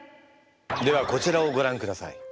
ではこちらをごらんください。